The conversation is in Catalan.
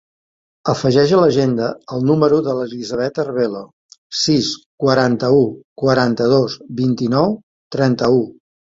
Afegeix a l'agenda el número de l'Elisabeth Arbelo: sis, quaranta-u, quaranta-dos, vint-i-nou, trenta-u.